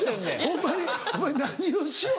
ホンマにお前何をしよう。